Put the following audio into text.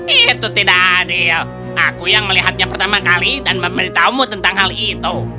itu tidak adil aku yang melihatnya pertama kali dan memberitahumu tentang hal itu